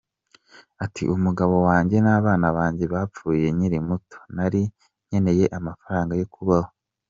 Ati “Umugabo wanjye n’abana banjye bapfuye nkiri muto, nari nkeneye amafaranga yo kubaho.